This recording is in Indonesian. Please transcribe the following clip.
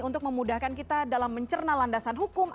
untuk memudahkan kita dalam mencerna landasan hukum